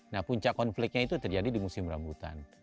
nah puncak konfliknya itu terjadi di musim rambutan